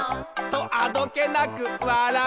「とあどけなく笑う」